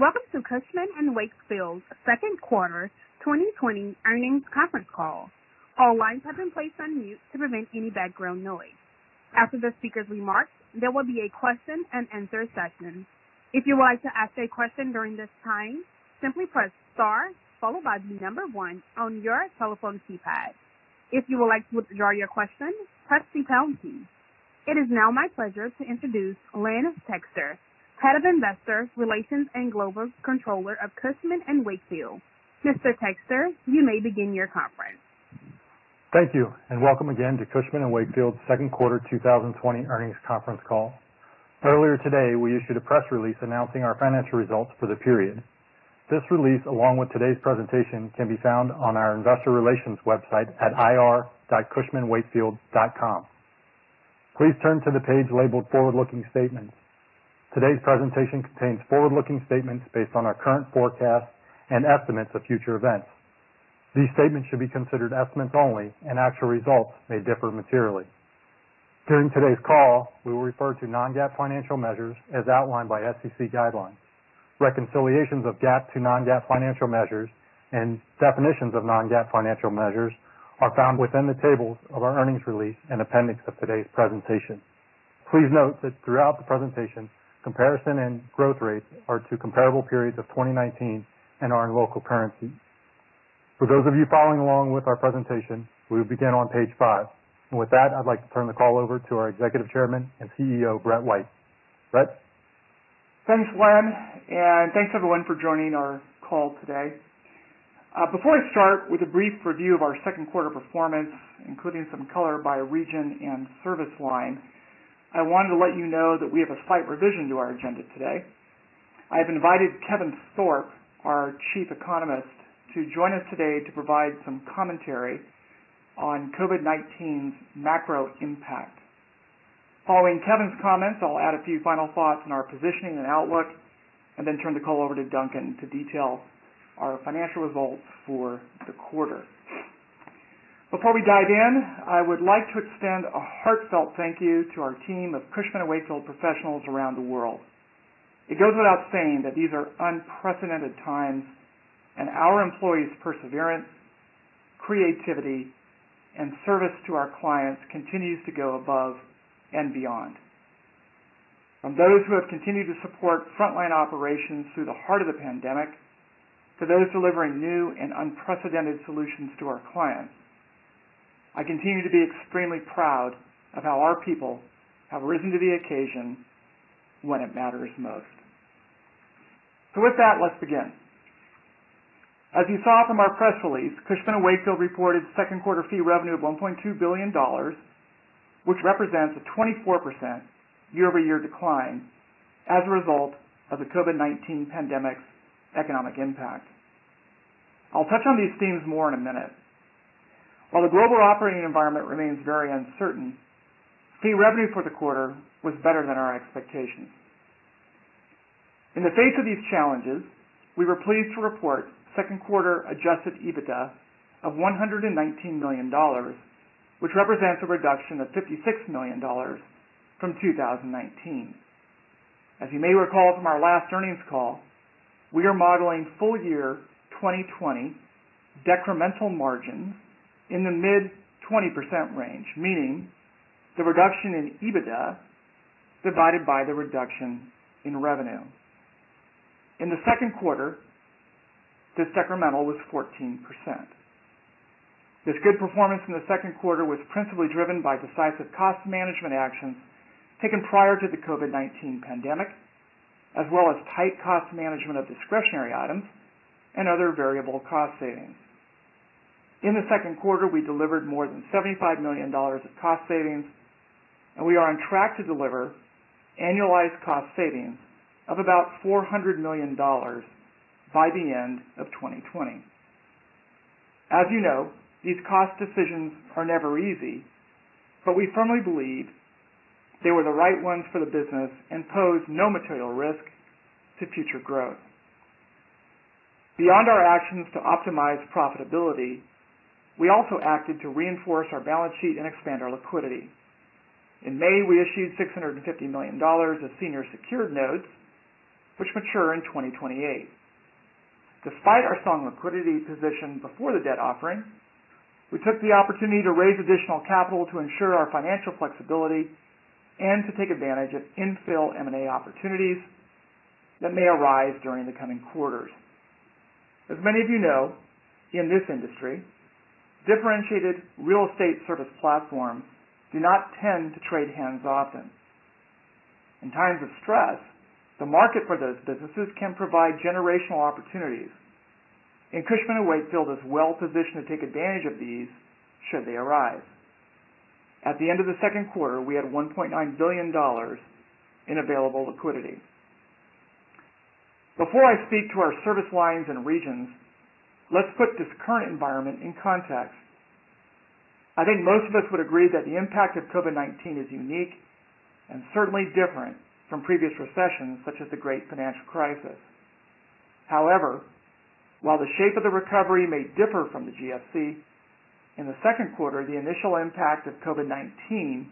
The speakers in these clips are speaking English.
Welcome to Cushman & Wakefield's second quarter 2020 earnings conference call. After the speaker's remarks, there will be a question and answer session. If you would like to ask a question during this time, simply press star one on your telephone keypad. If you would like to withdraw your question, press the pound key. It is now my pleasure to introduce Len Texter, Head of Investor Relations and Global Controller of Cushman & Wakefield. Mr. Texter, you may begin your conference. Thank you. Welcome again to Cushman & Wakefield's second quarter 2020 earnings conference call. Earlier today, we issued a press release announcing our financial results for the period. This release, along with today's presentation, can be found on our investor relations website at ir.cushmanwakefield.com. Please turn to the page labeled Forward-Looking Statements. Today's presentation contains forward-looking statements based on our current forecasts and estimates of future events. These statements should be considered estimates only. Actual results may differ materially. During today's call, we will refer to non-GAAP financial measures as outlined by SEC guidelines. Reconciliations of GAAP to non-GAAP financial measures and definitions of non-GAAP financial measures are found within the tables of our earnings release and appendix of today's presentation. Please note that throughout the presentation, comparison and growth rates are to comparable periods of 2019 and are in local currency. For those of you following along with our presentation, we will begin on page five. With that, I'd like to turn the call over to our Executive Chairman and CEO, Brett White. Brett? Thanks, Len, and thanks, everyone, for joining our call today. Before I start with a brief review of our second quarter performance, including some color by region and service line, I wanted to let you know that we have a slight revision to our agenda today. I have invited Kevin Thorpe, our Chief Economist, to join us today to provide some commentary on COVID-19's macro impact. Following Kevin's comments, I'll add a few final thoughts on our positioning and outlook and then turn the call over to Duncan to detail our financial results for the quarter. Before we dive in, I would like to extend a heartfelt thank you to our team of Cushman & Wakefield professionals around the world. It goes without saying that these are unprecedented times, and our employees' perseverance, creativity, and service to our clients continues to go above and beyond. From those who have continued to support frontline operations through the heart of the pandemic to those delivering new and unprecedented solutions to our clients, I continue to be extremely proud of how our people have risen to the occasion when it matters most. With that, let's begin. As you saw from our press release, Cushman & Wakefield reported second quarter fee revenue of $1.2 billion, which represents a 24% year-over-year decline as a result of the COVID-19 pandemic's economic impact. I'll touch on these themes more in a minute. While the global operating environment remains very uncertain, fee revenue for the quarter was better than our expectations. In the face of these challenges, we were pleased to report second quarter adjusted EBITDA of $119 million, which represents a reduction of $56 million from 2019. As you may recall from our last earnings call, we are modeling full year 2020 decremental margins in the mid 20% range, meaning the reduction in EBITDA divided by the reduction in revenue. In the second quarter, this decremental was 14%. This good performance in the second quarter was principally driven by decisive cost management actions taken prior to the COVID-19 pandemic, as well as tight cost management of discretionary items and other variable cost savings. In the second quarter, we delivered more than $75 million of cost savings, and we are on track to deliver annualized cost savings of about $400 million by the end of 2020. As you know, these cost decisions are never easy, but we firmly believe they were the right ones for the business and pose no material risk to future growth. Beyond our actions to optimize profitability, we also acted to reinforce our balance sheet and expand our liquidity. In May, we issued $650 million of senior secured notes, which mature in 2028. Despite our strong liquidity position before the debt offering, we took the opportunity to raise additional capital to ensure our financial flexibility and to take advantage of infill M&A opportunities that may arise during the coming quarters. As many of you know, in this industry, differentiated real estate service platforms do not tend to trade hands often. In times of stress, the market for those businesses can provide generational opportunities, and Cushman & Wakefield is well positioned to take advantage of these should they arise. At the end of the second quarter, we had $1.9 billion in available liquidity. Before I speak to our service lines and regions, let's put this current environment in context. I think most of us would agree that the impact of COVID-19 is unique and certainly different from previous recessions such as the Great Financial Crisis. While the shape of the recovery may differ from the GFC, in the second quarter, the initial impact of COVID-19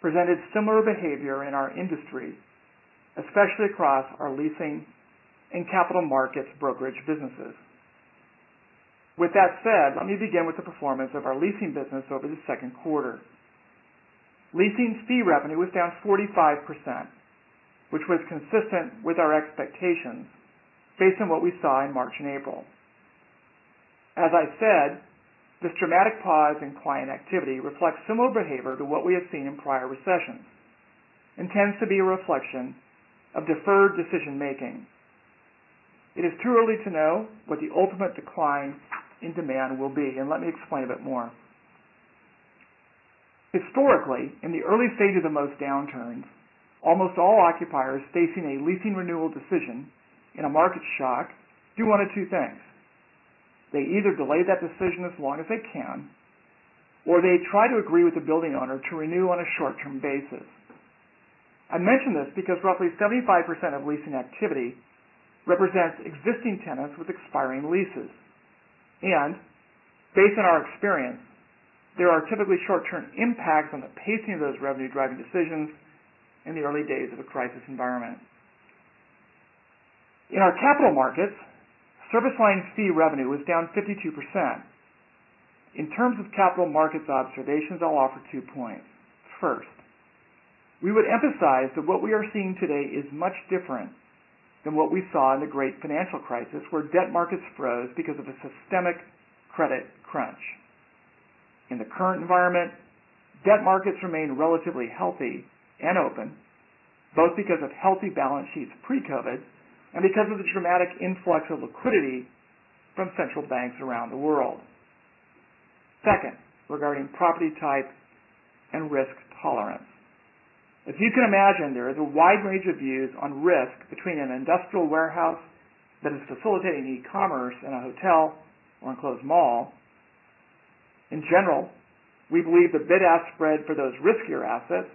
presented similar behavior in our industry, especially across our leasing and capital markets brokerage businesses. With that said, let me begin with the performance of our leasing business over the second quarter. Leasing fee revenue was down 45%, which was consistent with our expectations based on what we saw in March and April. As I said, this dramatic pause in client activity reflects similar behavior to what we have seen in prior recessions and tends to be a reflection of deferred decision-making. It is too early to know what the ultimate decline in demand will be, and let me explain a bit more. Historically, in the early stages of most downturns, almost all occupiers facing a leasing renewal decision in a market shock do one of two things. They either delay that decision as long as they can, or they try to agree with the building owner to renew on a short-term basis. I mention this because roughly 75% of leasing activity represents existing tenants with expiring leases. Based on our experience, there are typically short-term impacts on the pacing of those revenue-driving decisions in the early days of a crisis environment. In our capital markets, service line fee revenue was down 52%. In terms of capital markets observations, I'll offer two points. First, we would emphasize that what we are seeing today is much different than what we saw in the Great Financial Crisis, where debt markets froze because of a systemic credit crunch. In the current environment, debt markets remain relatively healthy and open, both because of healthy balance sheets pre-COVID, and because of the dramatic influx of liquidity from central banks around the world. Second, regarding property type and risk tolerance. As you can imagine, there is a wide range of views on risk between an industrial warehouse that is facilitating e-commerce and a hotel or enclosed mall. In general, we believe the bid-ask spread for those riskier assets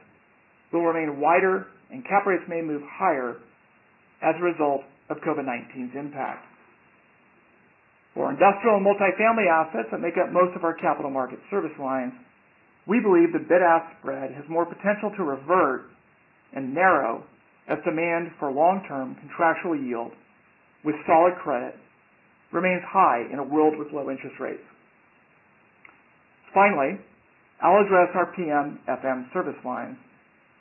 will remain wider and cap rates may move higher as a result of COVID-19's impact. For industrial and multifamily assets that make up most of our capital markets service lines, we believe the bid-ask spread has more potential to revert and narrow as demand for long-term contractual yield with solid credit remains high in a world with low interest rates. Finally, I'll address our PM/FM service line,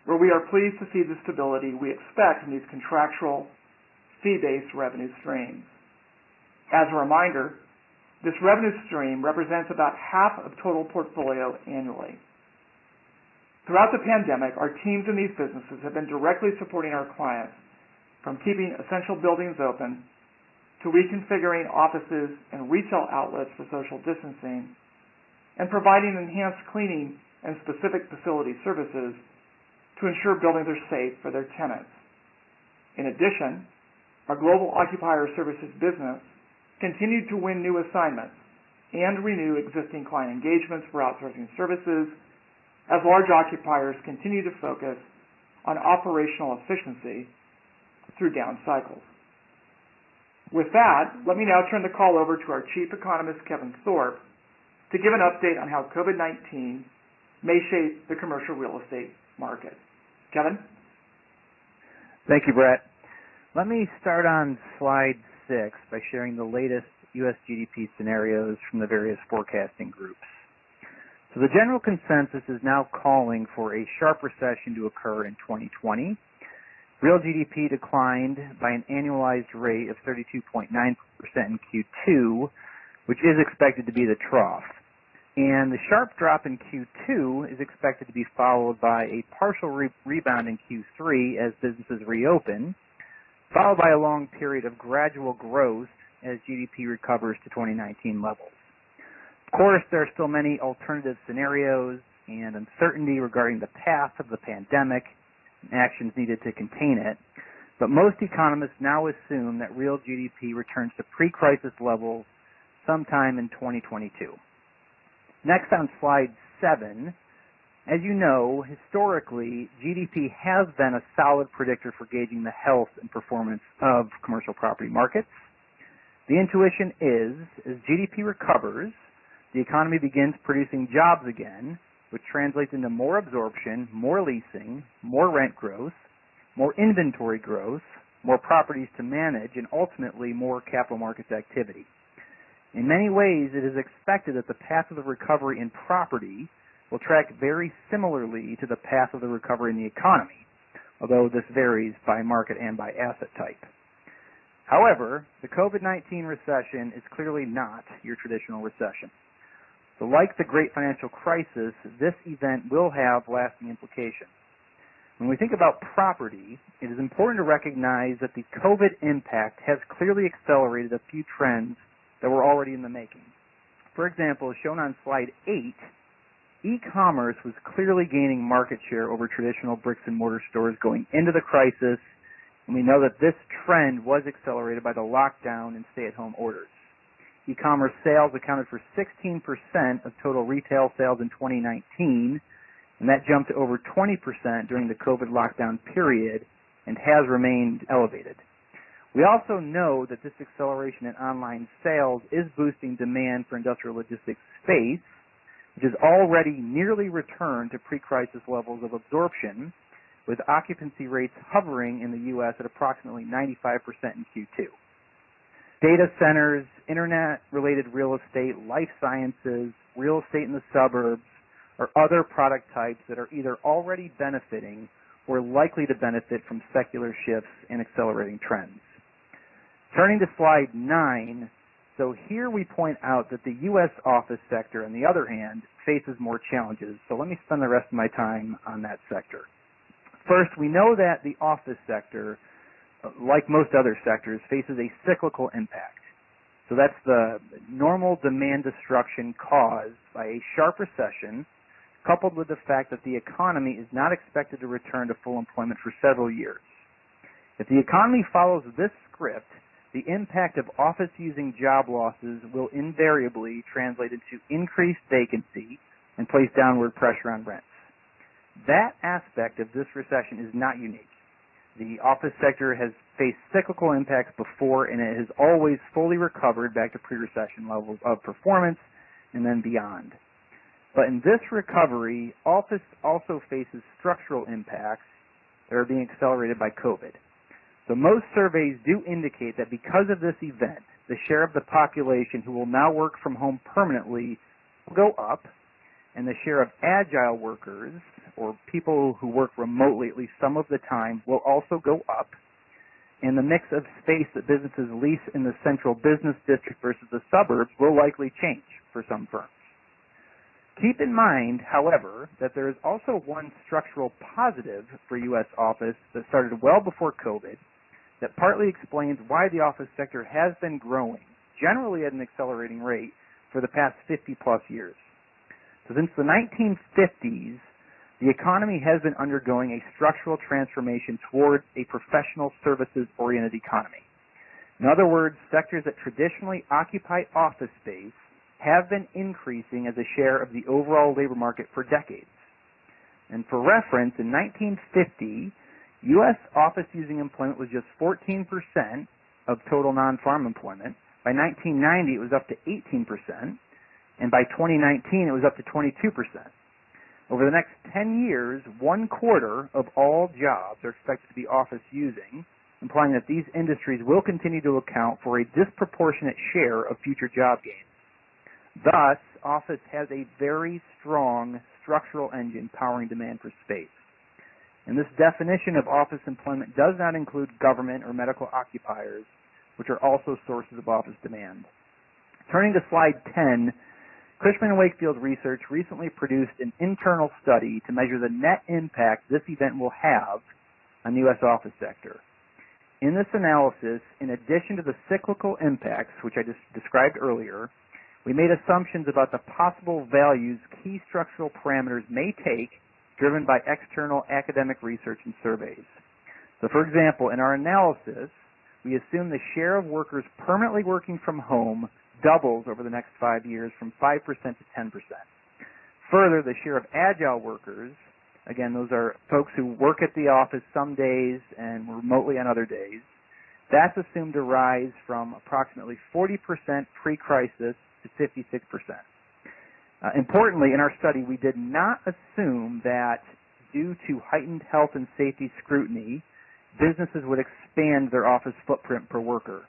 where we are pleased to see the stability we expect in these contractual fee-based revenue streams. As a reminder, this revenue stream represents about half of total portfolio annually. Throughout the pandemic, our teams in these businesses have been directly supporting our clients, from keeping essential buildings open to reconfiguring offices and retail outlets for social distancing and providing enhanced cleaning and specific facility services to ensure buildings are safe for their tenants. In addition, our Global Occupier Services business continued to win new assignments and renew existing client engagements for outsourcing services as large occupiers continue to focus on operational efficiency through down cycles. With that, let me now turn the call over to our Chief Economist, Kevin Thorpe, to give an update on how COVID-19 may shape the commercial real estate market. Kevin? Thank you, Brett. Let me start on slide six by sharing the latest U.S. GDP scenarios from the various forecasting groups. The general consensus is now calling for a sharp recession to occur in 2020. Real GDP declined by an annualized rate of 32.9% in Q2, which is expected to be the trough. The sharp drop in Q2 is expected to be followed by a partial rebound in Q3 as businesses reopen, followed by a long period of gradual growth as GDP recovers to 2019 levels. Of course, there are still many alternative scenarios and uncertainty regarding the path of the pandemic and actions needed to contain it. Most economists now assume that real GDP returns to pre-crisis levels sometime in 2022. Next, on slide seven. As you know, historically, GDP has been a solid predictor for gauging the health and performance of commercial property markets. The intuition is, as GDP recovers, the economy begins producing jobs again, which translates into more absorption, more leasing, more rent growth, more inventory growth, more properties to manage, and ultimately, more capital markets activity. In many ways, it is expected that the path of the recovery in property will track very similarly to the path of the recovery in the economy, although this varies by market and by asset type. The COVID-19 recession is clearly not your traditional recession. Like the Great Financial Crisis, this event will have lasting implications. When we think about property, it is important to recognize that the COVID impact has clearly accelerated a few trends that were already in the making. For example, shown on slide eight, e-commerce was clearly gaining market share over traditional bricks and mortar stores going into the crisis, and we know that this trend was accelerated by the lockdown and stay-at-home orders. E-commerce sales accounted for 16% of total retail sales in 2019, and that jumped to over 20% during the COVID lockdown period and has remained elevated. We also know that this acceleration in online sales is boosting demand for industrial logistics space, which has already nearly returned to pre-crisis levels of absorption, with occupancy rates hovering in the U.S. at approximately 95% in Q2. data centers, internet-related real estate, life sciences, real estate in the suburbs, are other product types that are either already benefiting or are likely to benefit from secular shifts in accelerating trends. Turning to slide nine. Here we point out that the U.S. office sector, on the other hand, faces more challenges. Let me spend the rest of my time on that sector. First, we know that the office sector, like most other sectors, faces a cyclical impact. That's the normal demand destruction caused by a sharp recession, coupled with the fact that the economy is not expected to return to full employment for several years. If the economy follows this script, the impact of office-using job losses will invariably translate into increased vacancy and place downward pressure on rents. That aspect of this recession is not unique. The office sector has faced cyclical impacts before, and it has always fully recovered back to pre-recession levels of performance and then beyond. In this recovery, office also faces structural impacts that are being accelerated by COVID-19. Most surveys do indicate that because of this event, the share of the population who will now work from home permanently will go up, and the share of agile workers, or people who work remotely at least some of the time, will also go up, and the mix of space that businesses lease in the central business district versus the suburbs will likely change for some firms. Keep in mind, however, that there is also one structural positive for U.S. office that started well before COVID, that partly explains why the office sector has been growing, generally at an accelerating rate, for the past 50-plus years. Since the 1950s, the economy has been undergoing a structural transformation towards a professional services-oriented economy. In other words, sectors that traditionally occupy office space have been increasing as a share of the overall labor market for decades. For reference, in 1950, U.S. office-using employment was just 14% of total non-farm employment. By 1990, it was up to 18%, and by 2019, it was up to 22%. Over the next 10 years, one-quarter of all jobs are expected to be office-using, implying that these industries will continue to account for a disproportionate share of future job gains. Thus, office has a very strong structural engine powering demand for space. This definition of office employment does not include government or medical occupiers, which are also sources of office demand. Turning to slide 10, Cushman & Wakefield Research recently produced an internal study to measure the net impact this event will have on the U.S. office sector. In this analysis, in addition to the cyclical impacts, which I just described earlier, we made assumptions about the possible values key structural parameters may take, driven by external academic research and surveys. For example, in our analysis, we assume the share of workers permanently working from home doubles over the next five years from 5% to 10%. Further, the share of agile workers, again, those are folks who work at the office some days and remotely on other days, that's assumed to rise from approximately 40% pre-crisis to 56%. Importantly, in our study, we did not assume that due to heightened health and safety scrutiny, businesses would expand their office footprint per worker.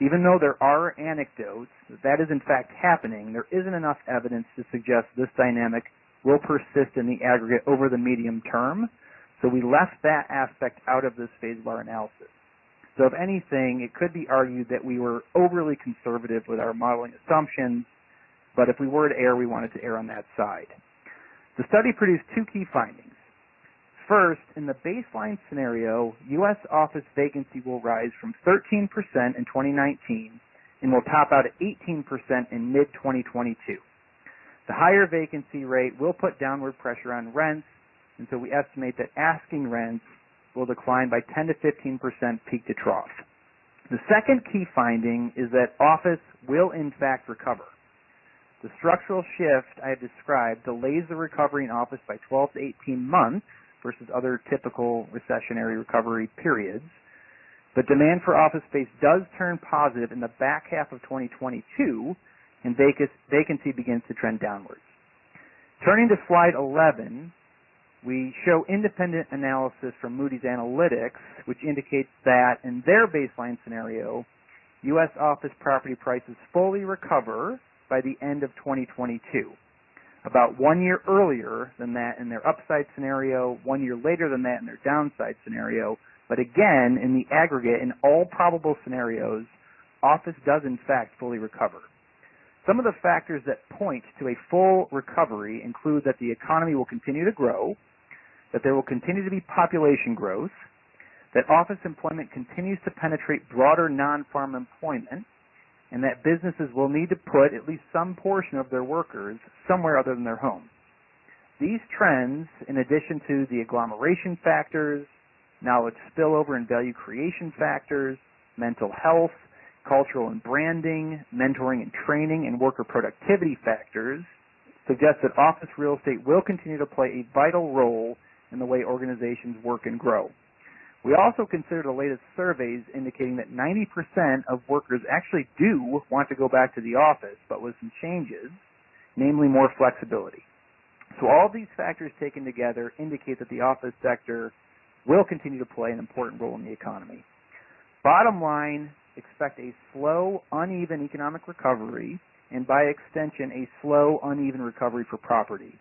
Even though there are anecdotes that is in fact happening, there isn't enough evidence to suggest this dynamic will persist in the aggregate over the medium term. We left that aspect out of this phase of our analysis. If anything, it could be argued that we were overly conservative with our modeling assumptions, but if we were to err, we wanted to err on that side. The study produced two key findings. First, in the baseline scenario, U.S. office vacancy will rise from 13% in 2019 and will top out at 18% in mid-2022. The higher vacancy rate will put downward pressure on rents, we estimate that asking rents will decline by 10%-15% peak to trough. The second key finding is that office will in fact recover. The structural shift I have described delays the recovery in office by 12 to 18 months versus other typical recessionary recovery periods. The demand for office space does turn positive in the back half of 2022, and vacancy begins to trend downwards. Turning to slide 11, we show independent analysis from Moody's Analytics, which indicates that in their baseline scenario, U.S. office property prices fully recover by the end of 2022. About one year earlier than that in their upside scenario, one year later than that in their downside scenario. Again, in the aggregate, in all probable scenarios, office does in fact fully recover. Some of the factors that point to a full recovery include that the economy will continue to grow, that there will continue to be population growth, that office employment continues to penetrate broader non-farm employment, and that businesses will need to put at least some portion of their workers somewhere other than their home. These trends, in addition to the agglomeration factors, knowledge spillover and value creation factors, mental health, cultural and branding, mentoring and training, and worker productivity factors, suggest that office real estate will continue to play a vital role in the way organizations work and grow. We also consider the latest surveys indicating that 90% of workers actually do want to go back to the office, but with some changes, namely more flexibility. All these factors taken together indicate that the office sector will continue to play an important role in the economy. Bottom line, expect a slow, uneven economic recovery, and by extension, a slow, uneven recovery for property.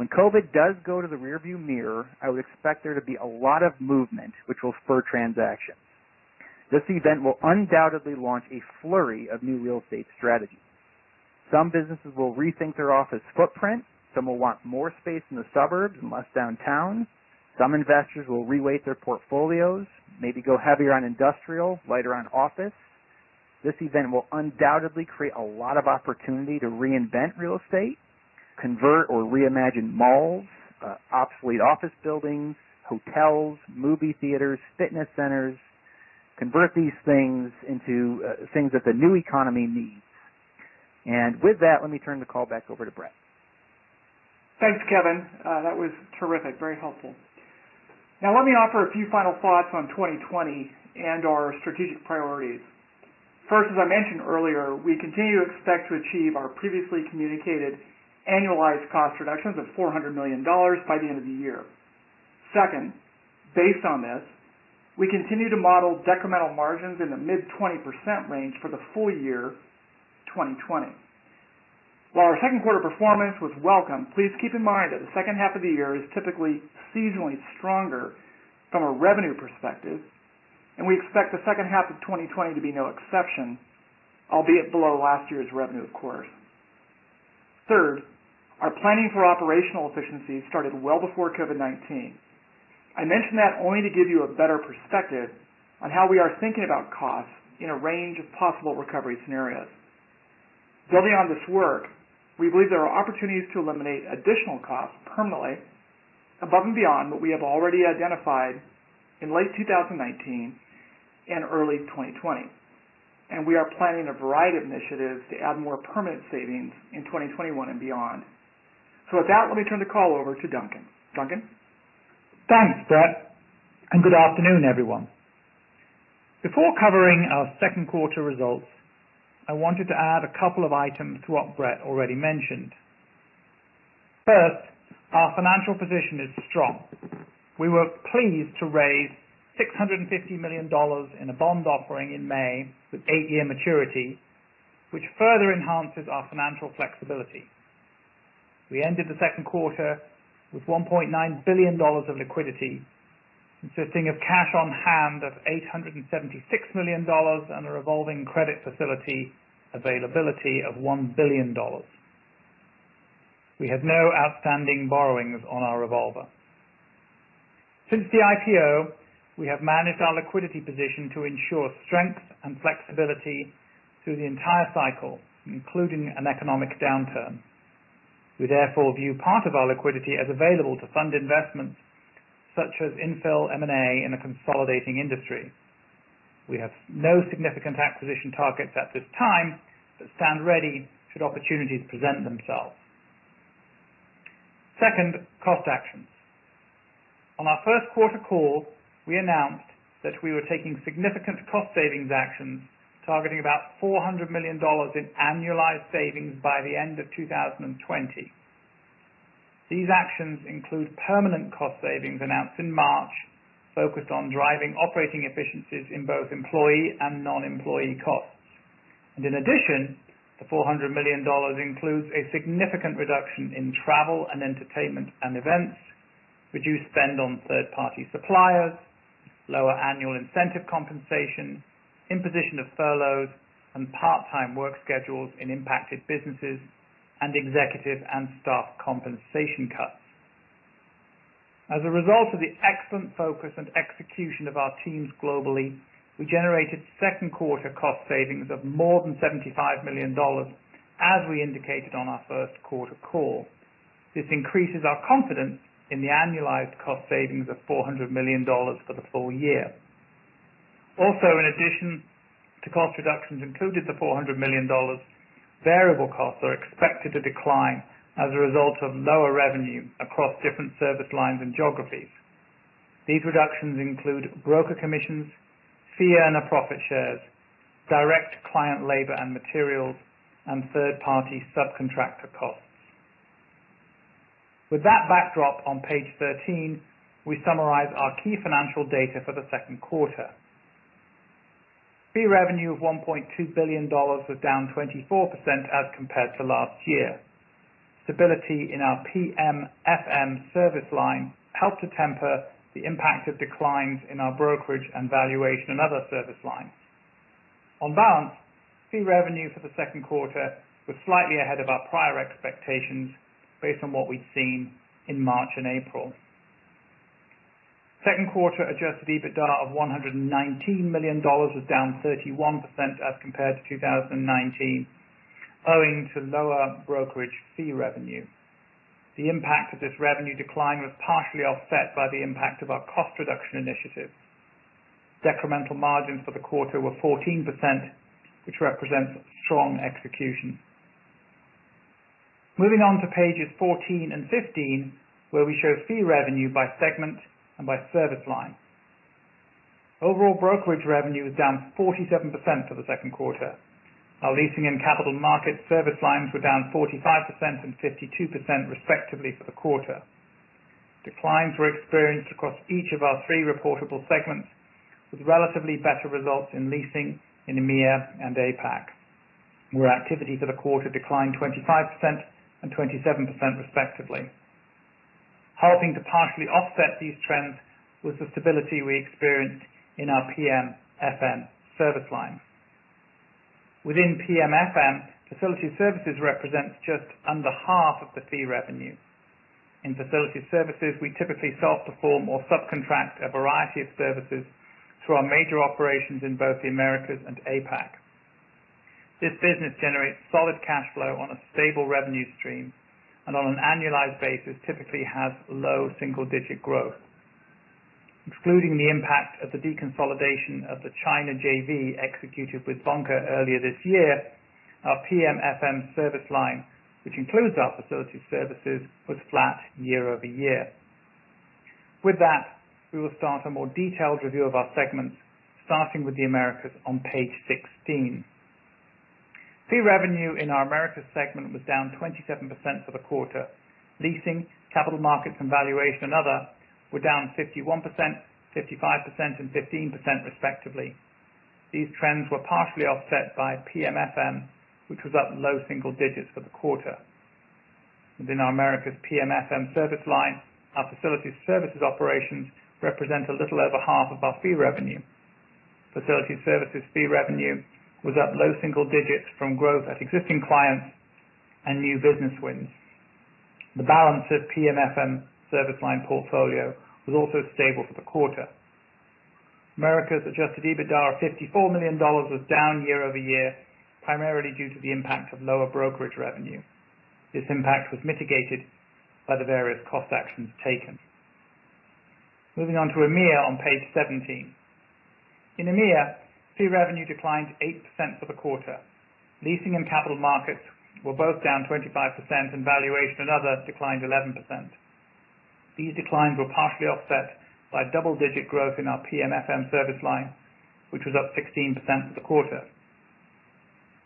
When COVID-19 does go to the rearview mirror, I would expect there to be a lot of movement which will spur transactions. This event will undoubtedly launch a flurry of new real estate strategies. Some businesses will rethink their office footprint. Some will want more space in the suburbs and less downtown. Some investors will re-weight their portfolios, maybe go heavier on industrial, lighter on office. This event will undoubtedly create a lot of opportunity to reinvent real estate, convert or reimagine malls, obsolete office buildings, hotels, movie theaters, fitness centers, convert these things into things that the new economy needs. With that, let me turn the call back over to Brett. Thanks, Kevin. That was terrific. Very helpful. Let me offer a few final thoughts on 2020 and our strategic priorities. First, as I mentioned earlier, we continue to expect to achieve our previously communicated annualized cost reductions of $400 million by the end of the year. Second, based on this, we continue to model decremental margins in the mid-20% range for the full year 2020. While our second quarter performance was welcome, please keep in mind that the second half of the year is typically seasonally stronger from a revenue perspective, and we expect the second half of 2020 to be no exception, albeit below last year's revenue, of course. Third, our planning for operational efficiencies started well before COVID-19. I mention that only to give you a better perspective on how we are thinking about costs in a range of possible recovery scenarios. Building on this work, we believe there are opportunities to eliminate additional costs permanently above and beyond what we have already identified in late 2019 and early 2020, and we are planning a variety of initiatives to add more permanent savings in 2021 and beyond. With that, let me turn the call over to Duncan. Duncan? Thanks, Brett, and good afternoon, everyone. Before covering our second quarter results, I wanted to add a couple of items to what Brett already mentioned. First, our financial position is strong. We were pleased to raise $650 million in a bond offering in May with eight-year maturity, which further enhances our financial flexibility. We ended the second quarter with $1.9 billion of liquidity, consisting of cash on hand of $876 million and a revolving credit facility availability of $1 billion. We have no outstanding borrowings on our revolver. Since the IPO, we have managed our liquidity position to ensure strength and flexibility through the entire cycle, including an economic downturn. We therefore view part of our liquidity as available to fund investments such as infill M&A in a consolidating industry. We have no significant acquisition targets at this time, but stand ready should opportunities present themselves. Second, cost actions. On our first quarter call, we announced that we were taking significant cost savings actions targeting about $400 million in annualized savings by the end of 2020. These actions include permanent cost savings announced in March, focused on driving operating efficiencies in both employee and non-employee costs. In addition, the $400 million includes a significant reduction in travel and entertainment and events, reduced spend on third-party suppliers, lower annual incentive compensation, imposition of furloughs and part-time work schedules in impacted businesses, and executive and staff compensation cuts. As a result of the excellent focus and execution of our teams globally, we generated second quarter cost savings of more than $75 million, as we indicated on our first quarter call. This increases our confidence in the annualized cost savings of $400 million for the full year. In addition to cost reductions included the $400 million, variable costs are expected to decline as a result of lower revenue across different service lines and geographies. These reductions include broker commissions, fee and profit shares, direct client labor and materials, and third-party subcontractor costs. With that backdrop, on page 13, we summarize our key financial data for the second quarter. Fee revenue of $1.2 billion was down 24% as compared to last year. Stability in our PMFM service line helped to temper the impact of declines in our brokerage and valuation and other service lines. On balance, fee revenue for the second quarter was slightly ahead of our prior expectations based on what we'd seen in March and April. Second quarter adjusted EBITDA of $119 million was down 31% as compared to 2019, owing to lower brokerage fee revenue. The impact of this revenue decline was partially offset by the impact of our cost reduction initiative. Decremental margins for the quarter were 14%, which represents strong execution. Moving on to pages 14 and 15, where we show fee revenue by segment and by service line. Overall brokerage revenue was down 47% for the second quarter. Our leasing and capital markets service lines were down 45% and 52% respectively for the quarter. Declines were experienced across each of our three reportable segments, with relatively better results in leasing in EMEA and APAC, where activity for the quarter declined 25% and 27% respectively. Helping to partially offset these trends was the stability we experienced in our PMFM service lines. Within PMFM, facility services represents just under half of the fee revenue. In facility services, we typically self-perform or subcontract a variety of services through our major operations in both the Americas and APAC. This business generates solid cash flow on a stable revenue stream, and on an annualized basis typically has low single-digit growth. Excluding the impact of the deconsolidation of the China JV executed with Vanke earlier this year, our PMFM service line, which includes our facility services, was flat year-over-year. With that, we will start a more detailed review of our segments, starting with the Americas on page 16. Fee revenue in our Americas segment was down 27% for the quarter. Leasing, capital markets and valuation and other were down 51%, 55% and 15% respectively. These trends were partially offset by PMFM, which was up low single digits for the quarter. Within our Americas PMFM service line, our facilities services operations represent a little over half of our fee revenue. Facilities services fee revenue was up low single digits from growth at existing clients and new business wins. The balance of PMFM service line portfolio was also stable for the quarter. Americas adjusted EBITDA of $54 million was down year-over-year, primarily due to the impact of lower brokerage revenue. This impact was mitigated by the various cost actions taken. Moving on to EMEA on page 17. In EMEA, fee revenue declined 8% for the quarter. Leasing and capital markets were both down 25% and valuation and other declined 11%. These declines were partially offset by double-digit growth in our PMFM service line, which was up 16% for the quarter.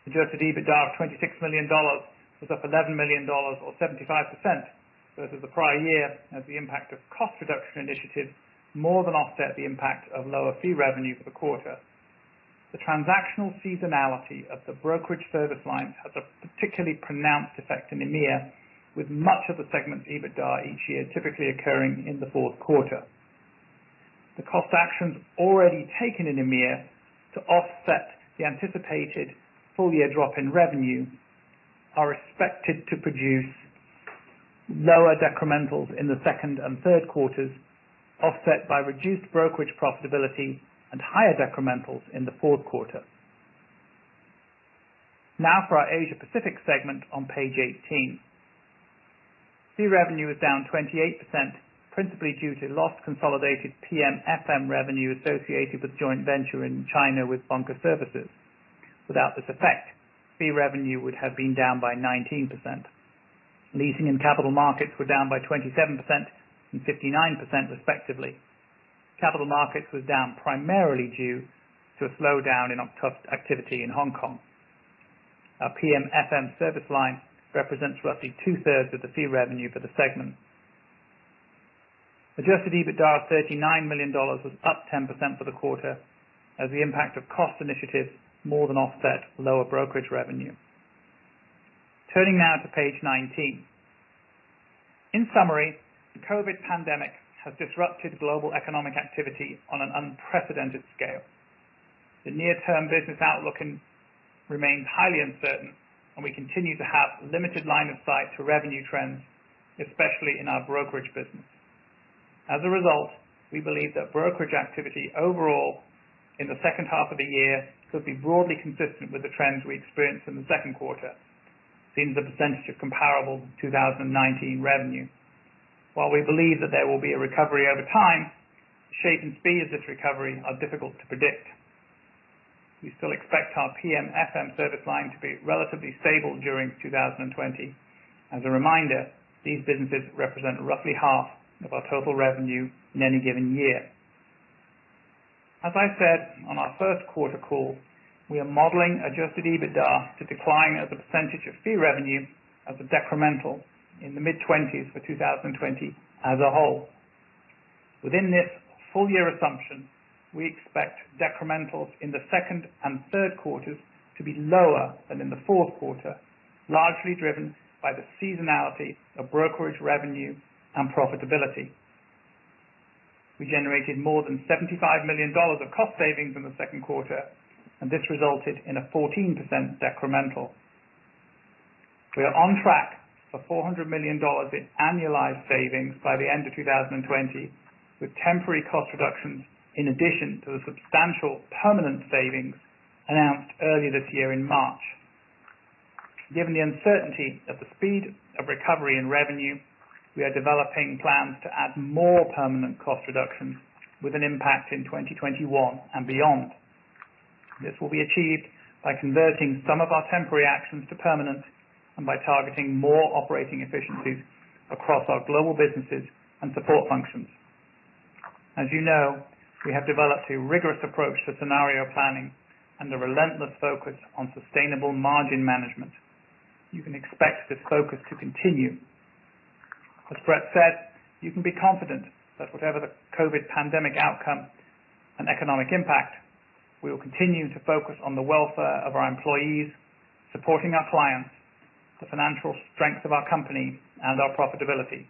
Adjusted EBITDA of $26 million was up $11 million or 75% versus the prior year as the impact of cost reduction initiatives more than offset the impact of lower fee revenue for the quarter. The transactional seasonality of the brokerage service lines has a particularly pronounced effect in EMEA, with much of the segment's EBITDA each year typically occurring in the fourth quarter. The cost actions already taken in EMEA to offset the anticipated full-year drop in revenue are expected to produce lower decrementals in the second and third quarters, offset by reduced brokerage profitability and higher decrementals in the fourth quarter. For our Asia Pacific segment on page 18. Fee revenue was down 28%, principally due to lost consolidated PMFM revenue associated with joint venture in China with Vanke Services. Without this effect, fee revenue would have been down by 19%. Leasing and capital markets were down by 27% and 59% respectively. Capital markets was down primarily due to a slowdown in activity in Hong Kong. Our PMFM service line represents roughly two-thirds of the fee revenue for the segment. Adjusted EBITDA of $39 million was up 10% for the quarter as the impact of cost initiatives more than offset lower brokerage revenue. Turning now to page 19. In summary, the COVID pandemic has disrupted global economic activity on an unprecedented scale. The near-term business outlook remains highly uncertain and we continue to have limited line of sight to revenue trends, especially in our brokerage business. As a result, we believe that brokerage activity overall in the second half of the year could be broadly consistent with the trends we experienced in the second quarter, seen as a percentage of comparable 2019 revenue. While we believe that there will be a recovery over time, the shape and speed of this recovery are difficult to predict. We still expect our PMFM service line to be relatively stable during 2020. As a reminder, these businesses represent roughly half of our total revenue in any given year. As I said on our first quarter call, we are modeling adjusted EBITDA to decline as a percentage of fee revenue as a decremental in the mid-20s for 2020 as a whole. Within this full year assumption, we expect decrementals in the second and third quarters to be lower than in the fourth quarter, largely driven by the seasonality of brokerage revenue and profitability. We generated more than $75 million of cost savings in the second quarter, and this resulted in a 14% decremental. We are on track for $400 million in annualized savings by the end of 2020, with temporary cost reductions in addition to the substantial permanent savings announced earlier this year in March. Given the uncertainty of the speed of recovery in revenue, we are developing plans to add more permanent cost reductions with an impact in 2021 and beyond. This will be achieved by converting some of our temporary actions to permanent and by targeting more operating efficiencies across our global businesses and support functions. As you know, we have developed a rigorous approach to scenario planning and a relentless focus on sustainable margin management. You can expect this focus to continue. As Brett said, you can be confident that whatever the COVID pandemic outcome and economic impact, we will continue to focus on the welfare of our employees, supporting our clients, the financial strength of our company, and our profitability,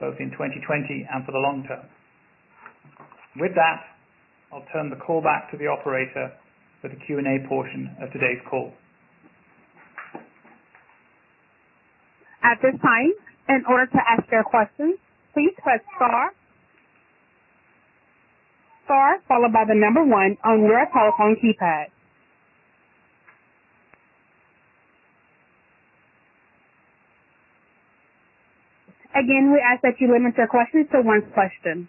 both in 2020 and for the long term. With that, I'll turn the call back to the operator for the Q&A portion of today's call. At this time, in order to ask your question, please press star followed by the number one on your telephone keypad. Again, we ask that you limit your questions to one question.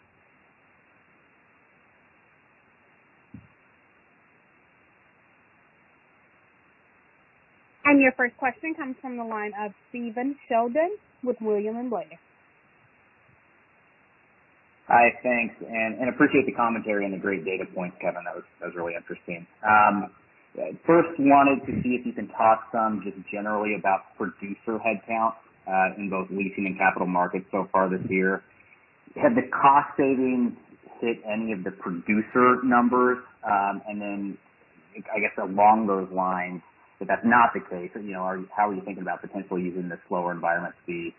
Your first question comes from the line of Stephen Sheldon with William Blair. Hi. Thanks, and appreciate the commentary and the great data points, Kevin. That was really interesting. First, wanted to see if you can talk some, just generally, about producer headcount, in both leasing and capital markets so far this year. Have the cost savings hit any of the producer numbers? Then I guess along those lines, if that's not the case, how are you thinking about potentially using this slower environment to be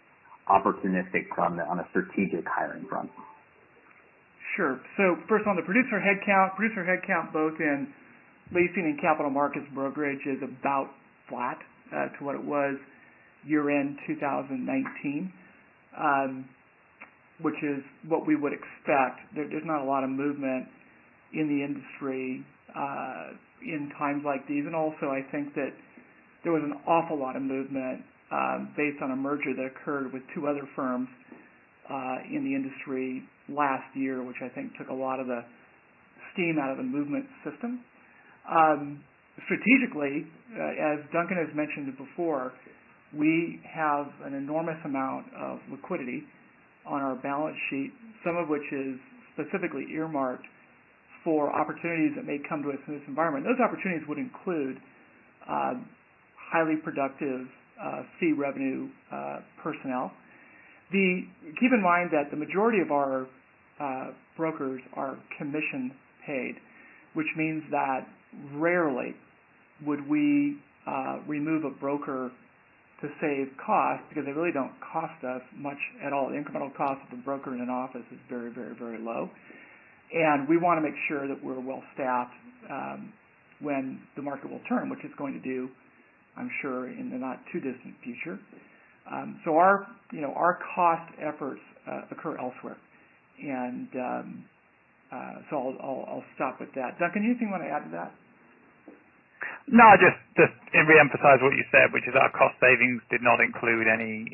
opportunistic on a strategic hiring front? Sure. First on the producer headcount. Producer headcount both in leasing and capital markets brokerage is about flat to what it was year-end 2019, which is what we would expect. There's not a lot of movement in the industry in times like these. Also, I think that there was an awful lot of movement based on a merger that occurred with two other firms in the industry last year, which I think took a lot of the steam out of the movement system. Strategically, as Duncan has mentioned before, we have an enormous amount of liquidity on our balance sheet, some of which is specifically earmarked for opportunities that may come to us in this environment. Those opportunities would include highly productive fee revenue personnel. Keep in mind that the majority of our brokers are commission paid, which means that rarely would we remove a broker to save cost because they really don't cost us much at all. The incremental cost of a broker in an office is very low. We want to make sure that we're well-staffed when the market will turn, which it's going to do, I'm sure, in the not too distant future. Our cost efforts occur elsewhere. I'll stop with that. Duncan, anything you want to add to that? Just reemphasize what you said, which is our cost savings did not include any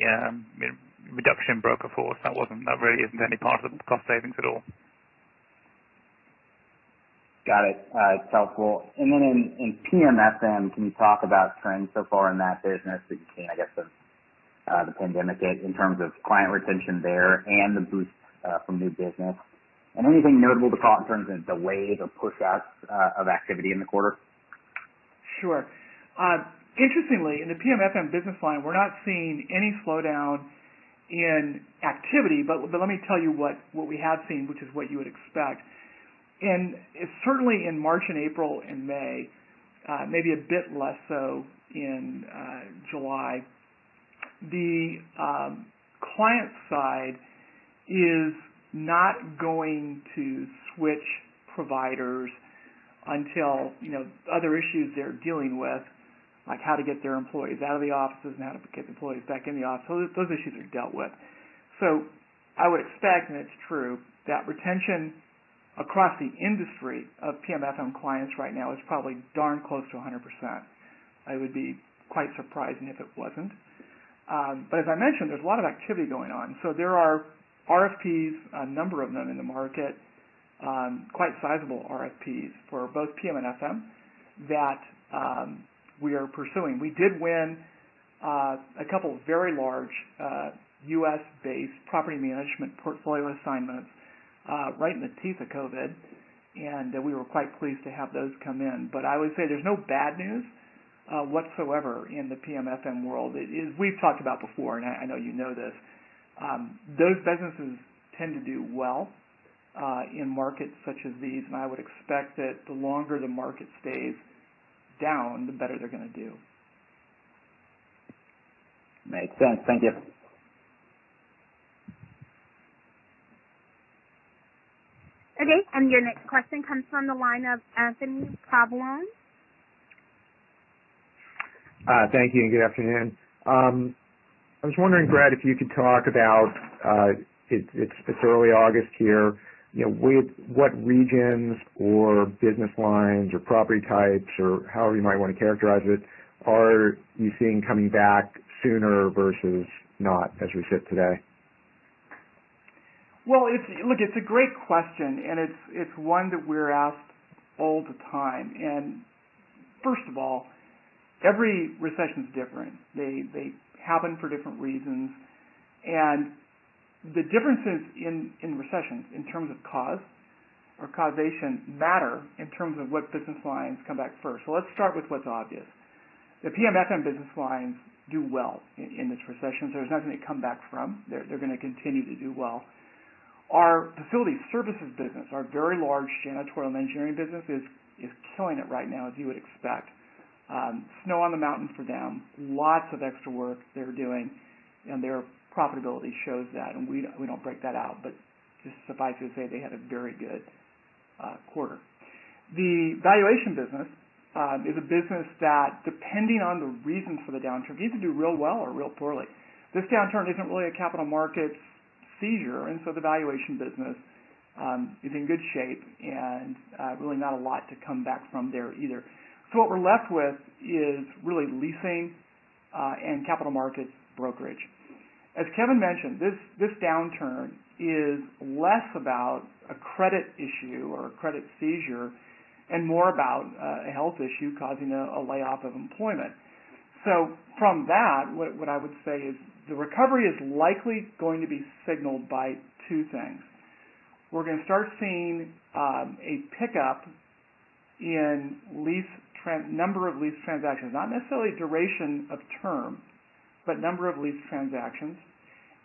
reduction in broker force. That really isn't any part of the cost savings at all. Got it. It's helpful. Then in PMFM, can you talk about trends so far in that business that you've seen, I guess, since the pandemic hit in terms of client retention there and the boost from new business? Anything notable to call out in terms of the wave of pushouts of activity in the quarter? Sure. Interestingly, in the PMFM business line, we're not seeing any slowdown in activity. Let me tell you what we have seen, which is what you would expect. Certainly in March and April and May, maybe a bit less so in July, the client side is not going to switch providers until other issues they're dealing with, like how to get their employees out of the offices and how to get the employees back in the office, those issues are dealt with. I would expect, and it's true, that retention across the industry of PMFM clients right now is probably darn close to 100%. I would be quite surprised if it wasn't. As I mentioned, there's a lot of activity going on. There are RFPs, a number of them in the market, quite sizable RFPs for both PM and FM that we are pursuing. We did win a couple of very large U.S.-based property management portfolio assignments right in the teeth of COVID-19, we were quite pleased to have those come in. I would say there's no bad news whatsoever in the PMFM world. As we've talked about before, and I know you know this, those businesses tend to do well in markets such as these, and I would expect that the longer the market stays down, the better they're going to do. Makes sense. Thank you. Okay. Your next question comes from the line of Anthony Paolone. Thank you, and good afternoon. I was wondering, Brett, if you could talk about, it's early August here, with what regions or business lines or property types, or however you might want to characterize it, are you seeing coming back sooner versus not, as we sit today? Look, it's a great question, it's one that we're asked all the time. First of all, every recession's different. They happen for different reasons. The differences in recessions in terms of cause or causation matter in terms of what business lines come back first. Let's start with what's obvious. The PM/FM business lines do well in this recession, so there's nothing to come back from. They're going to continue to do well. Our facility services business, our very large janitorial and engineering business is killing it right now, as you would expect. Snow on the mountain for them. Lots of extra work they're doing, and their profitability shows that. We don't break that out, but just suffice it to say they had a very good quarter. The valuation business is a business that, depending on the reasons for the downturn, can either do real well or real poorly. This downturn isn't really a capital markets seizure, and so the valuation business is in good shape, and really not a lot to come back from there either. What we're left with is really leasing and capital markets brokerage. As Kevin mentioned, this downturn is less about a credit issue or a credit seizure and more about a health issue causing a layoff of employment. From that, what I would say is the recovery is likely going to be signaled by two things. We're going to start seeing a pickup in number of lease transactions, not necessarily duration of term, but number of lease transactions.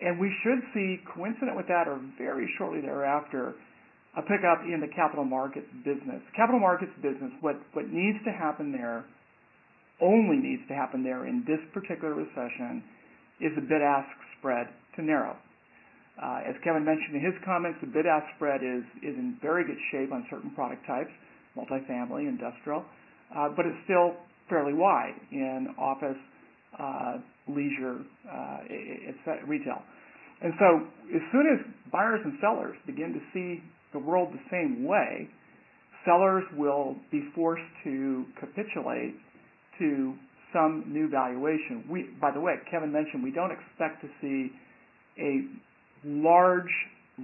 We should see coincident with that, or very shortly thereafter, a pickup in the capital markets business. Capital markets business, what needs to happen there, only needs to happen there in this particular recession, is the bid-ask spread to narrow. As Kevin mentioned in his comments, the bid-ask spread is in very good shape on certain product types, multifamily, industrial. It's still fairly wide in office leisure, retail. As soon as buyers and sellers begin to see the world the same way, sellers will be forced to capitulate to some new valuation. By the way, Kevin mentioned we don't expect to see a large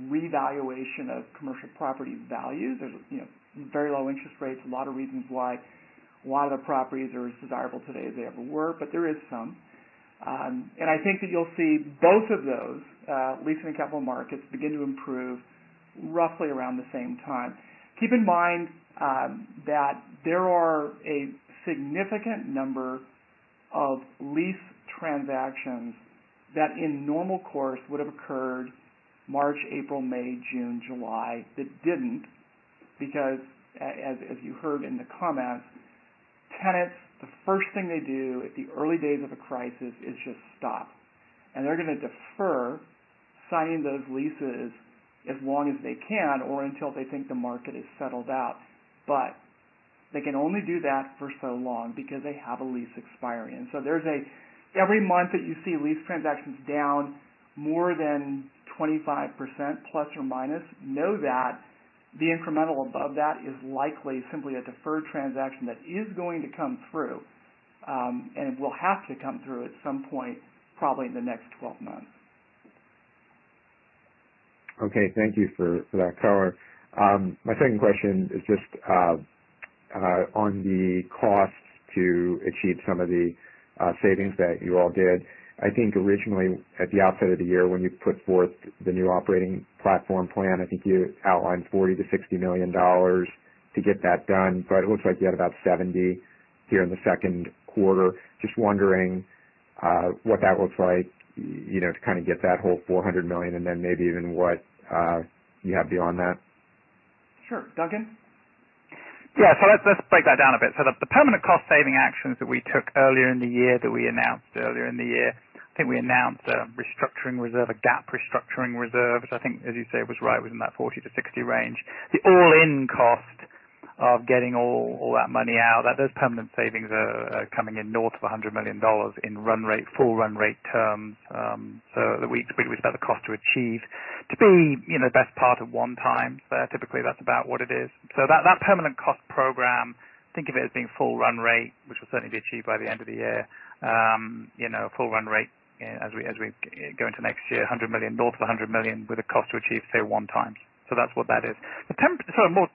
revaluation of commercial property values. There's very low interest rates, a lot of reasons why a lot of the properties are as desirable today as they ever were, but there is some. I think that you'll see both of those, leasing and capital markets, begin to improve roughly around the same time. Keep in mind that there are a significant number of lease transactions that in normal course would have occurred March, April, May, June, July, that didn't because as you heard in the comments, tenants, the first thing they do at the early days of a crisis is just stop. They're going to defer signing those leases as long as they can or until they think the market is settled out. They can only do that for so long because they have a lease expiring. Every month that you see lease transactions down more than 25%, ±, know that the incremental above that is likely simply a deferred transaction that is going to come through. It will have to come through at some point, probably in the next 12 months. Okay. Thank you for that color. My second question is just on the costs to achieve some of the savings that you all did. I think originally at the outset of the year, when you put forth the new operating platform plan, I think you outlined $40 million-$60 million to get that done, but it looks like you had about $70 million here in the second quarter. Just wondering what that looks like to kind of get that whole $400 million, and then maybe even what you have beyond that. Sure. Duncan? Yeah. Let's break that down a bit. The permanent cost saving actions that we took earlier in the year, that we announced earlier in the year, I think we announced a restructuring reserve, a GAAP restructuring reserve. I think as you say, it was right within that $40-$60 range. The all-in cost of getting all that money out, those permanent savings are coming in north of $100 million in full run rate terms. We'd expect the cost to achieve to be best part of one time. Typically that's about what it is. That permanent cost program, think of it as being full run rate, which will certainly be achieved by the end of the year. Full run rate as we go into next year, north of $100 million with a cost to achieve, say, one times. That's what that is. The more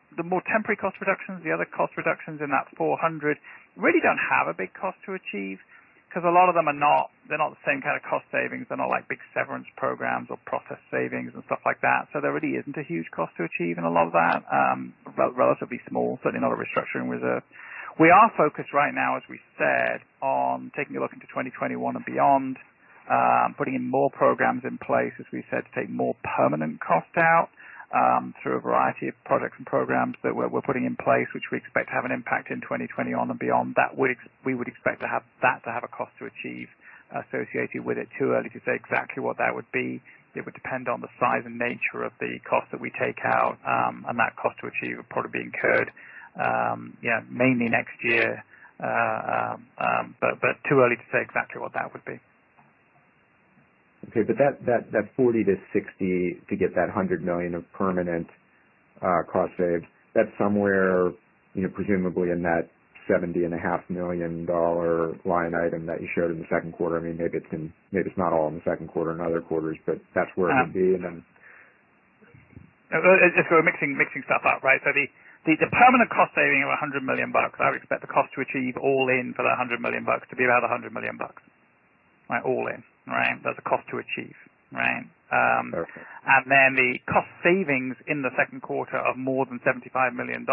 temporary cost reductions, the other cost reductions in that $400, really don't have a big cost to achieve because a lot of them are not the same kind of cost savings. They're not big severance programs or process savings and stuff like that. There really isn't a huge cost to achieve in a lot of that. Relatively small, certainly not a restructuring reserve. We are focused right now, as we said, on taking a look into 2021 and beyond. Putting in more programs in place, as we said, to take more permanent cost out through a variety of products and programs that we're putting in place, which we expect to have an impact in 2020 on and beyond. We would expect to have that to have a cost to achieve associated with it. Too early to say exactly what that would be. It would depend on the size and nature of the cost that we take out, and that cost to achieve would probably be incurred mainly next year. Too early to say exactly what that would be. Okay. That 40 to 60 to get that $100 million of permanent cost saves, that's somewhere presumably in that $70.5 million line item that you showed in the second quarter. Maybe it's not all in the second quarter and other quarters, but that's where it would be. If we're mixing stuff up, right? The permanent cost saving of $100 million, I would expect the cost to achieve all in for that $100 million to be about $100 million. All in. Right? There's a cost to achieve, right? Perfect. The cost savings in the second quarter of more than $75 million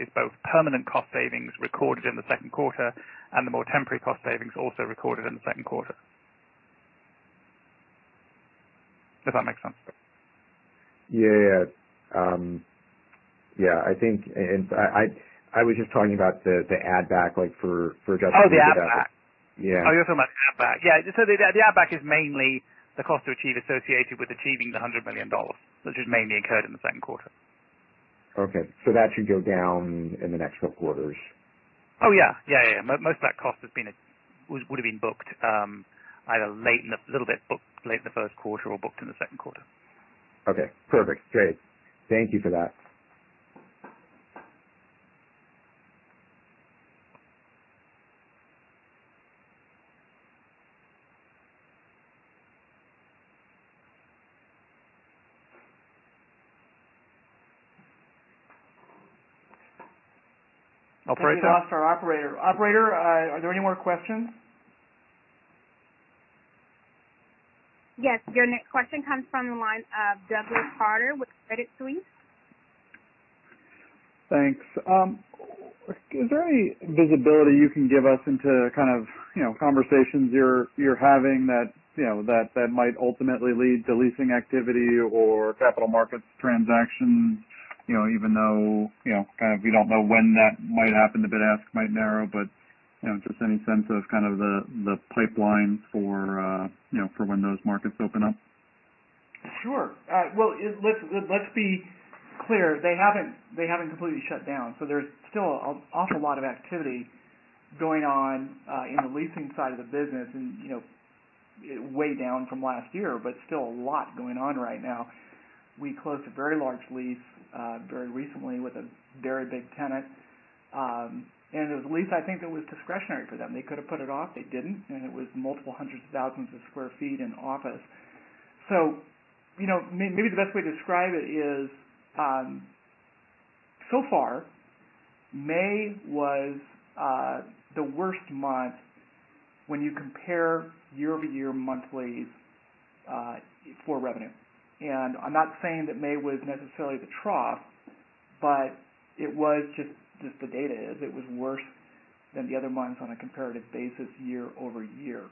is both permanent cost savings recorded in the second quarter and the more temporary cost savings also recorded in the second quarter. If that makes sense? Yeah. I was just talking about the add back, like for adjustment- Oh, the add back. Yeah. You're talking about the add back. Yeah. The add back is mainly the cost to achieve associated with achieving the $100 million, which is mainly incurred in the second quarter. Okay. That should go down in the next couple quarters? Oh, yeah. Most of that cost would've been booked either a little bit booked late in the first quarter or booked in the second quarter. Okay, perfect. Great. Thank you for that. Operator. I think we lost our operator. Operator, are there any more questions? Yes. Your next question comes from the line of Doug Harter with Credit Suisse. Thanks. Is there any visibility you can give us into kind of conversations you're having that might ultimately lead to leasing activity or capital markets transactions? Even though kind of we don't know when that might happen, the bid-ask might narrow, but just any sense of kind of the pipeline for when those markets open up? Sure. Well, let's be clear. They haven't completely shut down, so there's still an awful lot of activity going on in the leasing side of the business and way down from last year, but still a lot going on right now. We closed a very large lease very recently with a very big tenant. It was a lease, I think, that was discretionary for them. They could've put it off. They didn't, and it was multiple hundreds of thousands of square feet in office. Maybe the best way to describe it is, so far, May was the worst month when you compare year-over-year monthlies for revenue. I'm not saying that May was necessarily the trough, but it was just the data is it was worse than the other months on a comparative basis year-over-year.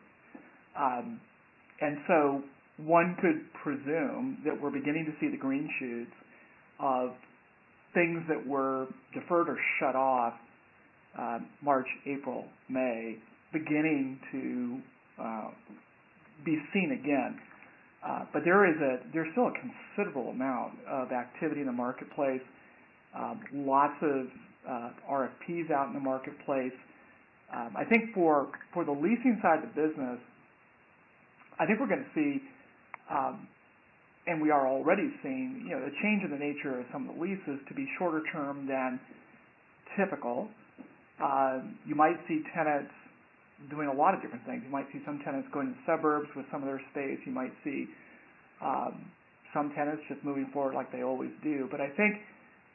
One could presume that we're beginning to see the green shoots of things that were deferred or shut off March, April, May, beginning to be seen again. There's still a considerable amount of activity in the marketplace. Lots of RFPs out in the marketplace. I think for the leasing side of the business, I think we're going to see, and we are already seeing a change in the nature of some of the leases to be shorter term than typical. You might see tenants doing a lot of different things. You might see some tenants going to the suburbs with some of their space. You might see some tenants just moving forward like they always do. I think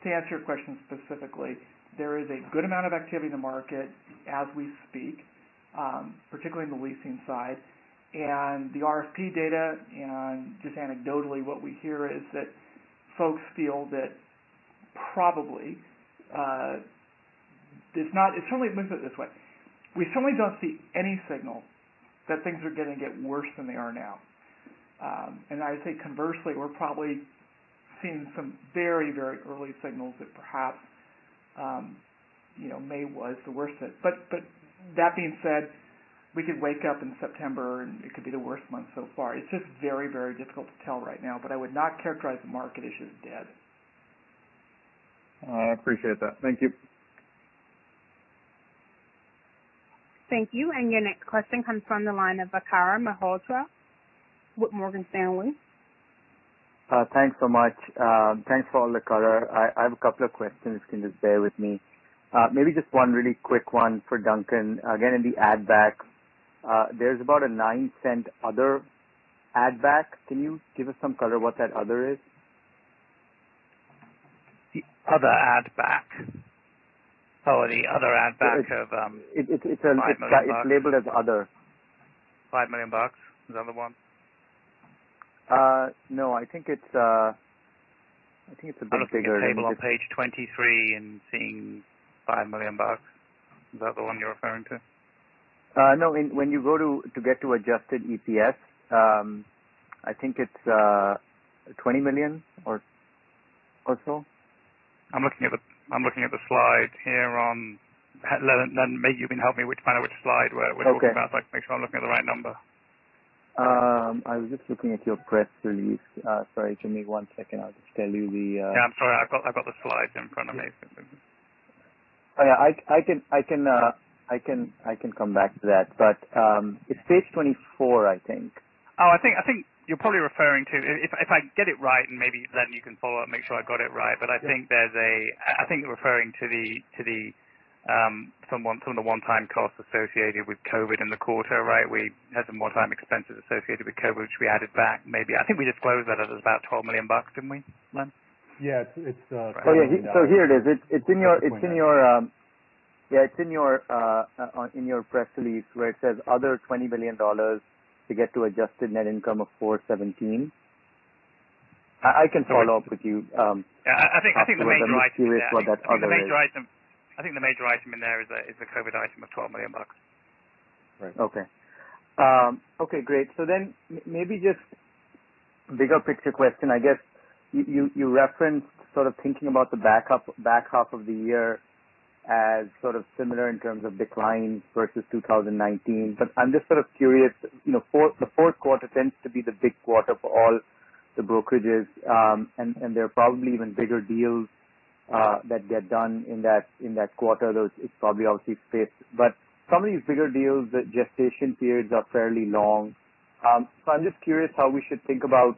to answer your question specifically, there is a good amount of activity in the market as we speak, particularly in the leasing side. The RFP data, and just anecdotally, what we hear is that folks feel that probably Let me put it this way. We certainly don't see any signal that things are going to get worse than they are now. I'd say conversely, we're probably seeing some very early signals that perhaps May was the worst of it. That being said, we could wake up in September, and it could be the worst month so far. It's just very difficult to tell right now. I would not characterize the market as just dead. I appreciate that. Thank you. Thank you. Your next question comes from the line of Vikram Malhotra with Morgan Stanley. Thanks so much. Thanks for all the color. I have a couple of questions. Can you just bear with me? Maybe just one really quick one for Duncan. Again, in the add back, there's about a $0.09 other add back. Can you give us some color what that other is? The other add back. It's labeled as other. $5 million is the other one? No, I think it's a big figure. I'm looking at the table on page 23 and seeing $5 million. Is that the one you're referring to? No. When you go to get to adjusted EPS, I think it's $20 million or so. I'm looking at the slide here on Len, maybe you can help me find out which slide we're talking about so I can make sure I'm looking at the right number. I was just looking at your press release. Sorry, give me one second. I'll just tell you. Yeah, I'm sorry. I've got the slides in front of me. I can come back to that. It's page 24, I think. If I get it right, and maybe Len you can follow up and make sure I got it right. I think you're referring to some of the one-time costs associated with COVID in the quarter, right? We had some one-time expenses associated with COVID, which we added back. I think we disclosed that it was about $12 million, didn't we, Len? Yeah. Oh, yeah. Here it is. It's in your press release where it says, "Other $20 million to get to adjusted net income of $417." I can follow up with you. Yeah. I think the major item- I'm just curious what that other is? I think the major item in there is the COVID item of $12 million. Right. Okay. Okay, great. Maybe just bigger picture question. I guess you referenced sort of thinking about the back half of the year as sort of similar in terms of decline versus 2019. I'm just sort of curious, the fourth quarter tends to be the big quarter for all the brokerages, and there are probably even bigger deals that get done in that quarter. It's probably obviously [fifth]. Some of these bigger deals, the gestation periods are fairly long. I'm just curious how we should think about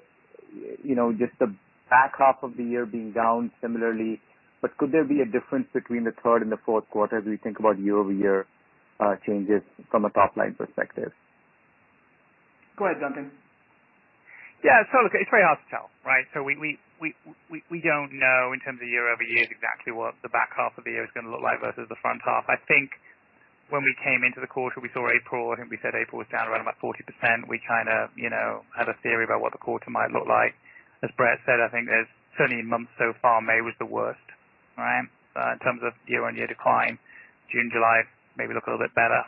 just the back half of the year being down similarly. Could there be a difference between the third and the fourth quarter as we think about year-over-year changes from a top-line perspective? Go ahead, Duncan. Look, it's very hard to tell, right? We don't know in terms of year-over-year exactly what the back half of the year is going to look like versus the front half. I think when we came into the quarter, we saw April, I think we said April was down around about 40%. We kind of had a theory about what the quarter might look like. As Brett said, I think there's certainly months so far, May was the worst, right? In terms of year-on-year decline. June, July, maybe look a little bit better.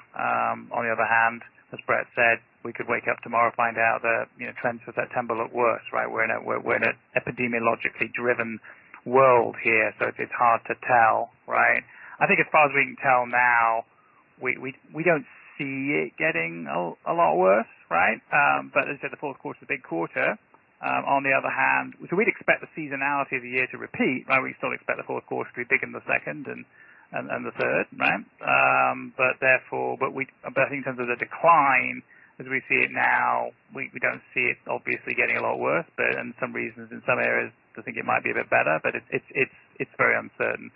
On the other hand, as Brett said, we could wake up tomorrow, find out that trends for September look worse, right? We're in an epidemiologically driven world here. It's hard to tell, right? I think as far as we can tell now, we don't see it getting a lot worse, right? As you said, the fourth quarter is a big quarter. On the other hand, we'd expect the seasonality of the year to repeat. We still expect the fourth quarter to be big in the second and the third, right? I think in terms of the decline as we see it now, we don't see it obviously getting a lot worse, but in some reasons, in some areas, I think it might be a bit better. It's very uncertain.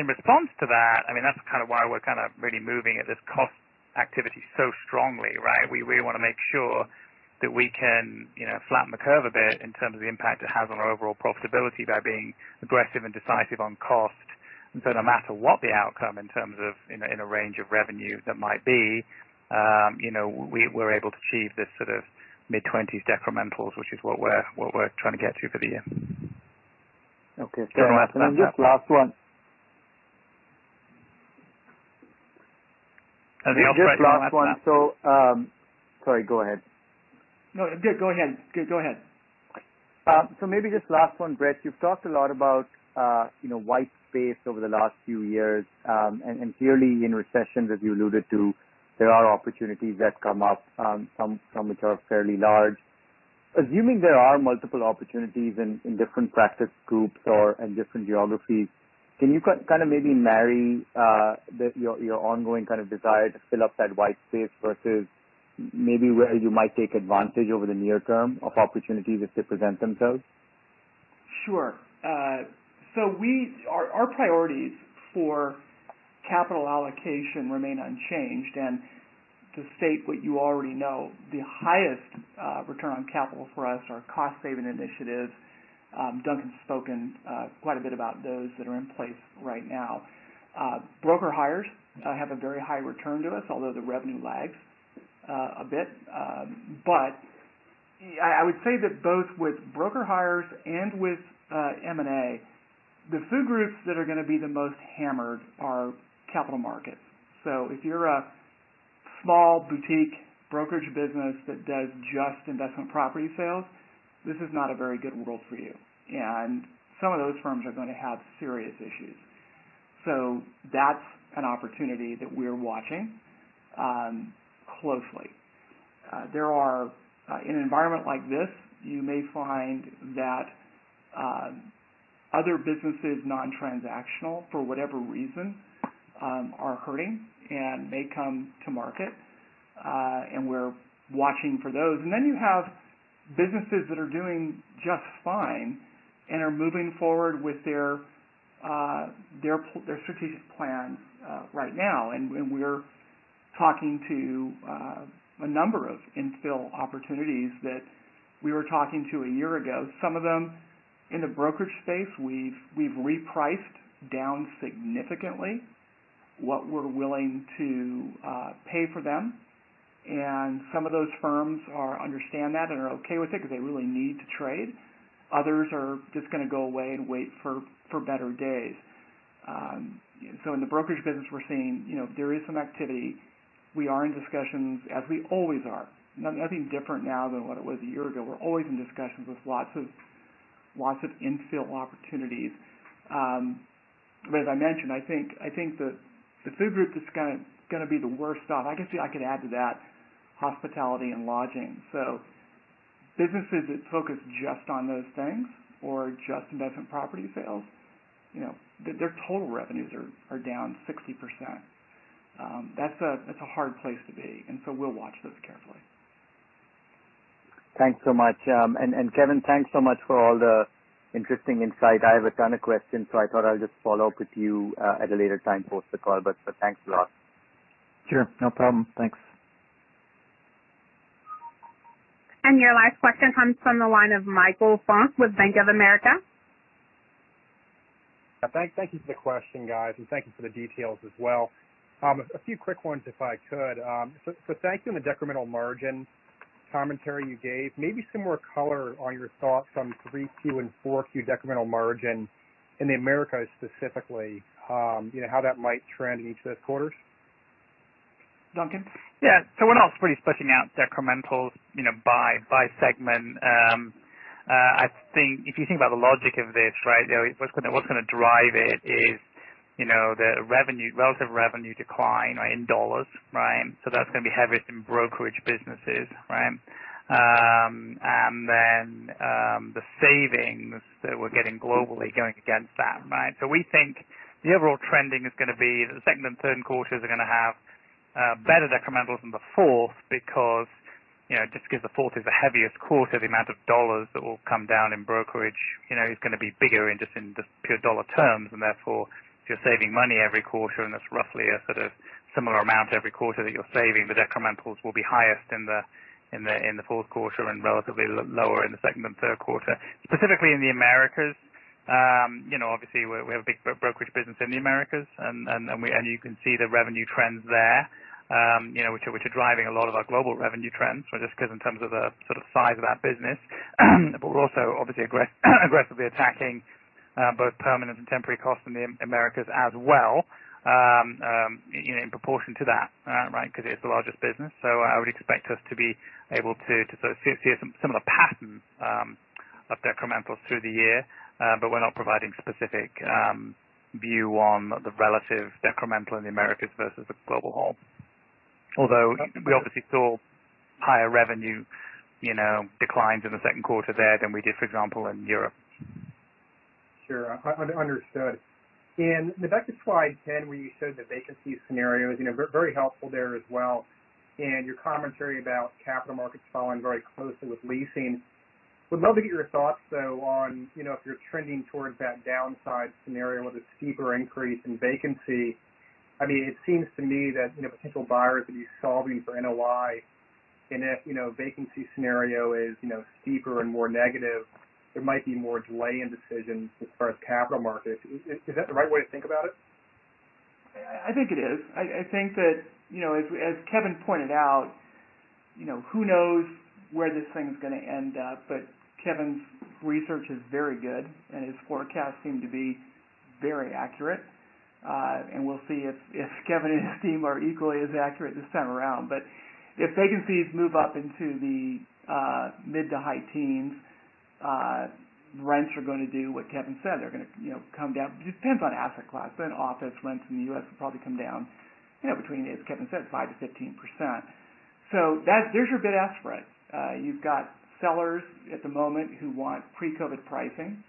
In response to that's kind of why we're really moving at this cost activity so strongly, right? We really want to make sure that we can flatten the curve a bit in terms of the impact it has on our overall profitability by being aggressive and decisive on cost. No matter what the outcome in terms of in a range of revenue that might be, we're able to achieve this sort of mid-20s decrementals, which is what we're trying to get to for the year. Okay. Maybe just last one. Have you operated- Just last one. Sorry, go ahead. No. Go ahead. maybe just last one, Brett. You've talked a lot about white space over the last few years. clearly in recessions, as you alluded to, there are opportunities that come up, some which are fairly large. Assuming there are multiple opportunities in different practice groups or in different geographies, can you kind of maybe marry your ongoing kind of desire to fill up that white space versus maybe where you might take advantage over the near term of opportunities if they present themselves? Sure. Our priorities for capital allocation remain unchanged. To state what you already know, the highest return on capital for us are cost-saving initiatives. Duncan's spoken quite a bit about those that are in place right now. Broker hires have a very high return to us, although the revenue lags a bit. I would say that both with broker hires and with M&A, the food groups that are going to be the most hammered are capital markets. If you're a small boutique brokerage business that does just investment property sales, this is not a very good world for you. Some of those firms are going to have serious issues. That's an opportunity that we're watching closely. In an environment like this, you may find that other businesses, non-transactional, for whatever reason are hurting and may come to market. We're watching for those. You have businesses that are doing just fine and are moving forward with their strategic plan right now. We're talking to a number of infill opportunities that we were talking to a year ago. Some of them in the brokerage space, we've repriced down significantly what we're willing to pay for them. Some of those firms understand that and are okay with it because they really need to trade. Others are just going to go away and wait for better days. In the brokerage business, we're seeing there is some activity. We are in discussions, as we always are. Nothing different now than what it was a year ago. We're always in discussions with lots of infill opportunities. As I mentioned, I think that the food group that's going to be the worst off, I guess I could add to that hospitality and lodging. Businesses that focus just on those things or just investment property sales, their total revenues are down 60%. That's a hard place to be, and so we'll watch those carefully. Thanks so much. Kevin, thanks so much for all the interesting insight. I have a ton of questions. I thought I'll just follow up with you at a later time post the call. Thanks a lot. Sure. No problem. Thanks. Your last question comes from the line of Michael Funk with Bank of America. Thank you for the question, guys, and thank you for the details as well. A few quick ones, if I could. Thanks for the decremental margin commentary you gave. Maybe some more color on your thoughts on 3Q and 4Q decremental margin in the Americas specifically. How that might trend in each of those quarters. Duncan? Yeah. We're not really splitting out decrementals by segment. If you think about the logic of this, right? What's going to drive it is the relative revenue decline in dollars, right? That's going to be heaviest in brokerage businesses, right? Then the savings that we're getting globally going against that, right? We think the overall trending is going to be that the second and third quarters are going to have better decrementals than the fourth because the fourth is the heaviest quarter. The amount of dollars that will come down in brokerage is going to be bigger just in pure dollar terms. Therefore, if you're saving money every quarter, and it's roughly a sort of similar amount every quarter that you're saving, the decrementals will be highest in the fourth quarter and relatively lower in the second and third quarter. Specifically in the Americas, obviously we have a big brokerage business in the Americas, and you can see the revenue trends there which are driving a lot of our global revenue trends just because in terms of the size of our business. We're also obviously aggressively attacking both permanent and temporary costs in the Americas as well in proportion to that, right? Because it's the largest business. I would expect us to be able to see some of the patterns of decrementals through the year. We're not providing specific view on the relative decremental in the Americas versus the global whole. Although we obviously saw higher revenue declines in the second quarter there than we did, for example, in Europe. Sure. Understood. In the back of slide 10, where you showed the vacancy scenarios, very helpful there as well, and your commentary about capital markets following very closely with leasing. Would love to get your thoughts, though, on if you're trending towards that downside scenario with a steeper increase in vacancy. It seems to me that potential buyers would be solving for NOI. If vacancy scenario is steeper and more negative, there might be more delay in decisions as far as capital markets. Is that the right way to think about it? I think it is. I think that, as Kevin pointed out, who knows where this thing's going to end up? Kevin's research is very good, and his forecasts seem to be very accurate. We'll see if Kevin and his team are equally as accurate this time around. If vacancies move up into the mid to high teens, rents are going to do what Kevin said. They're going to come down. It depends on asset class, but office rents in the U.S. will probably come down between, as Kevin said, 5%-15%. There's your bid-ask spread. You've got sellers at the moment who want pre-COVID pricing.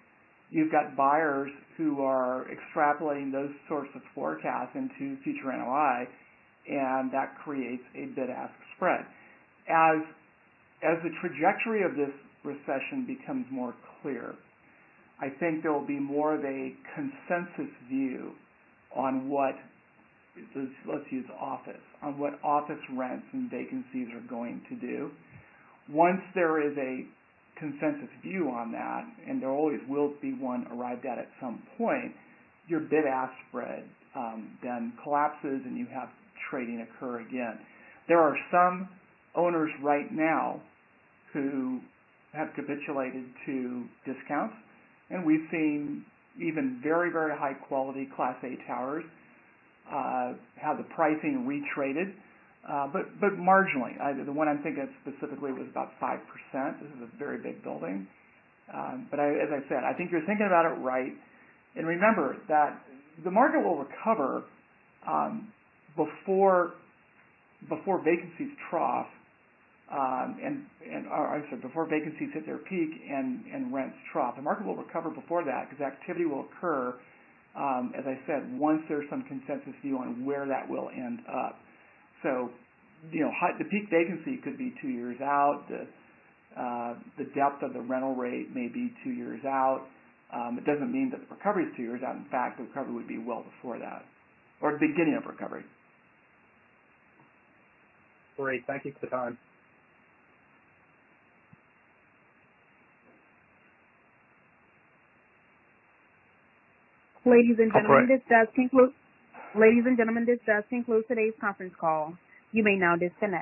You've got buyers who are extrapolating those sorts of forecasts into future NOI, and that creates a bid-ask spread. As the trajectory of this recession becomes more clear, I think there will be more of a consensus view, let's use office, on what office rents and vacancies are going to do. Once there is a consensus view on that, and there always will be one arrived at at some point, your bid-ask spread then collapses, and you have trading occur again. There are some owners right now who have capitulated to discounts, and we've seen even very, very high-quality Class A towers have the pricing retraded. Marginally. The one I'm thinking of specifically was about 5%. This is a very big building. As I said, I think you're thinking about it right. Remember that the market will recover before vacancies trough, or I should say, before vacancies hit their peak and rents trough. The market will recover before that because activity will occur, as I said, once there's some consensus view on where that will end up. The peak vacancy could be two years out. The depth of the rental rate may be two years out. It doesn't mean that the recovery is two years out. In fact, the recovery would be well before that, or the beginning of recovery. Great. Thank you, [Sadan]. Ladies and gentlemen. No problem. Ladies and gentlemen, this does conclude today's conference call. You may now disconnect.